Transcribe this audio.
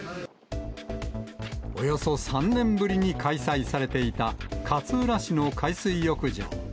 およそ３年ぶりに開催されていた勝浦市の海水浴場。